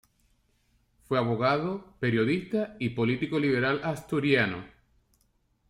Fue abogado, periodista y político liberal asturiano.